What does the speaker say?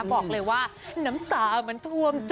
บอกเลยว่าน้ำตาเหมือนทวมจ๋อ